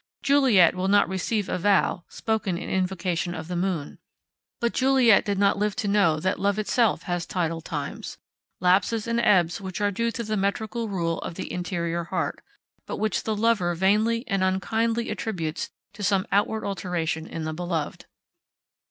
Juliet will not receive a vow spoken in invocation of the moon; but Juliet did not live to know that love itself has tidal times lapses and ebbs which are due to the metrical rule of the interior heart, but which the lover vainly and unkindly attributes to some outward alteration in the beloved.